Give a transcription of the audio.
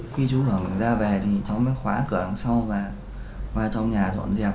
khi chú hưởng ra về thì cháu mới khóa cửa đằng sau và trong nhà dọn dẹp